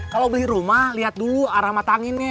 kalau beli rumah lihat dulu arama tanginnya